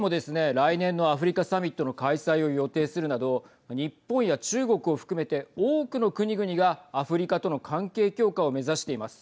来年のアフリカサミットの開催を予定するなど日本や中国を含めて多くの国々がアフリカとの関係強化を目指しています。